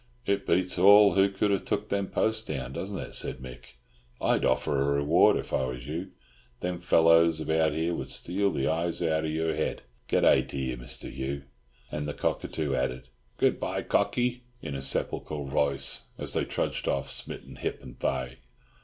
"It beats all who could have took them posts down, doesn't it?" said Mick. "I'd offer a reward, if I was you. Them fellows about here would steal the eyes out of your head. Good day to ye, Mr. Hugh." And the cockatoo added, "Good bye, Cockie," in a sepulchral voice, as they trudged off, smitten hip and thigh.